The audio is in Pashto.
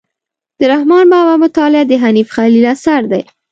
د رحمان بابا مطالعه د حنیف خلیل اثر دی.